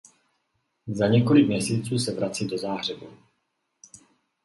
Za několik měsíců se vrací do Záhřebu.